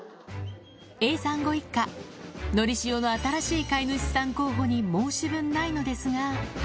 Ａさんご一家、のりしおの新しい飼い主さん候補に、申し分ないのですが。